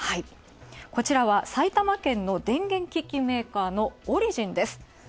こちらは埼玉県の電源機器メーカーのオリジンです。